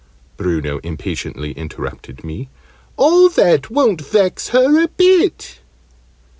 Bruno impatiently interrupted me. "All that won't vex her a bit!"